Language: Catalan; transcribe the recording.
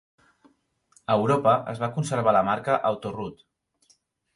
A Europa, es va conservar la marca Autoroute.